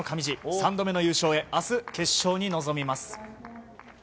３度目の優勝へ明日、決勝に臨みます。